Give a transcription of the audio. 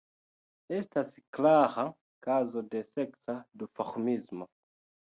Estas klara kazo de seksa duformismo.